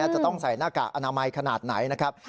จะต้องใส่หน้ากากอนามัยขนาดไหนนะครับ